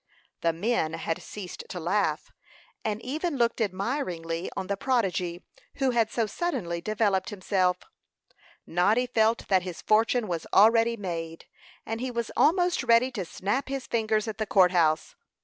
The men had ceased to laugh, and even looked admiringly on the prodigy who had so suddenly developed himself. Noddy felt that his fortune was already made, and he was almost ready to snap his fingers at the court house.